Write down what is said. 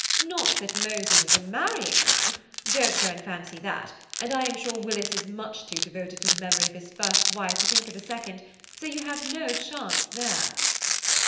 Not that Moses is a marrying man. Don't go and fancy that, and I am sure Willis is much too devoted to the memory of his first wife to think of a second, so you have no chance there."